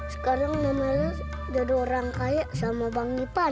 sekarang namanya jadi orang kaya sama bang nipan